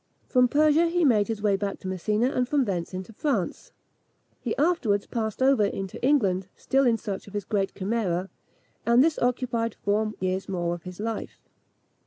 From Persia he made his way back to Messina, and from thence into France. He afterwards passed over into England, still in search of his great chimera; and this occupied four years more of his life.